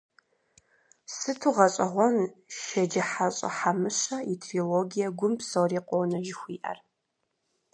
Сыту гъэщӏэгъуэн Шэджыхьэщӏэ Хьэмыщэ и трилогие «Гум псори къонэ» жыхуиӏэр!